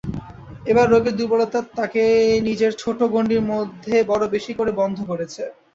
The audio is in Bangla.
এবার রোগের দুর্বলতায় তাকে নিজের ছোটো গণ্ডির মধ্যে বড়ো বেশি করে বন্ধ করেছে।